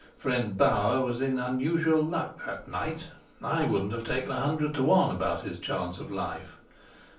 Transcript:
Friend Bauer was in unusual luck that night; I wouldn't have taken a hundred to one about his chance of life.